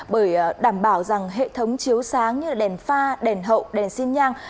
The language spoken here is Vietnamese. bởi đảm bảo rằng hệ thống chiếu sáng như là đèn pha đèn hậu đèn xiên nhang